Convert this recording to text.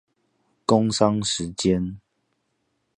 工商時間